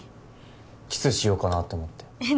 キスしようかなと思ってえっ